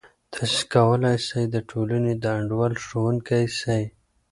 تاسې کولای سئ د ټولنې د انډول ښوونکی سئ.